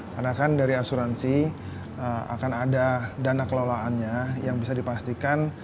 karena kan dari asuransi akan ada dana kelolaannya yang bisa dipastikan